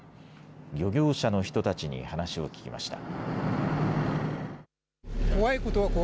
漁業者の人たちに話を聞きました。